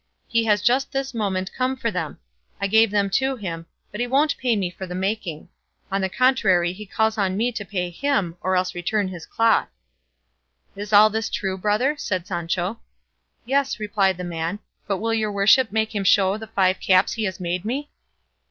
He has just this moment come for them; I gave them to him, but he won't pay me for the making; on the contrary, he calls upon me to pay him, or else return his cloth." "Is all this true, brother?" said Sancho. "Yes," replied the man; "but will your worship make him show the five caps he has made me?"